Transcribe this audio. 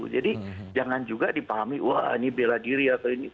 jadi jangan juga dipahami wah ini bela diri atau ini